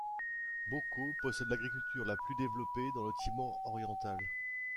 Baucau possède l'agriculture la plus développée dans le Timor oriental.